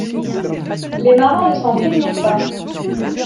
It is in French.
Les marins ne s’en plaignirent pas.